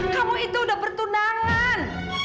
kamu itu udah bertunangan